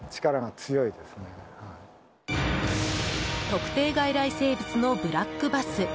特定外来生物のブラックバス。